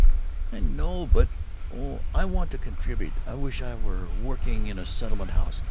"I know, but oh, I want to contribute I wish I were working in a settlement house.